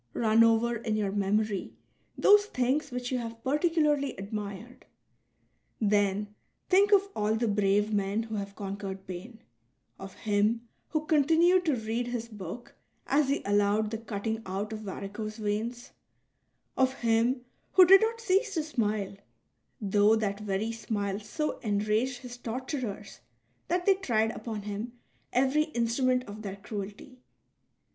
'* Run over in your memory those things which you have particularly admired. Then think of all the brave men who have conquered pain : of him who continued to read his book as he allowed the cutting out of varicose veins ; of him who did not cease to smile, though that very smile so enraged his torturers that they tried upon him every instru ment of their cruelty.